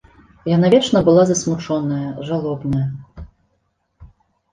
Яна вечна была засмучоная, жалобная.